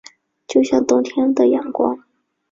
就像冬天的阳光